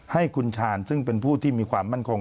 ให้คุณชาญซึ่งเป็นผู้ที่มีความมั่นคง